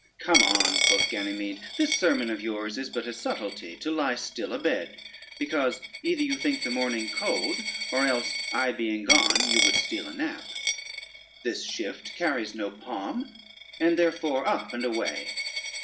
"Come on," quoth Ganymede, "this sermon of yours is but a subtlety to lie still a bed, because either you think the morning cold, or else I being gone, you would steal a nap: this shift carries no palm, and therefore up and away.